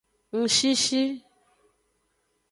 Ngshishi.